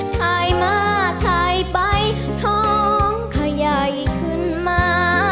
ถ่ายมาถ่ายไปท้องขยายขึ้นมา